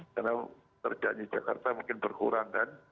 karena kerjaan di jakarta mungkin berkurang kan